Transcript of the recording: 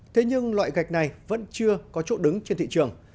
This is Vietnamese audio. thế nhưng loại gạch này vẫn chưa có chỗ đứng trên thị trường